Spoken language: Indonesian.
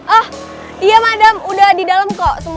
oh iya madam udah di dalam kok semua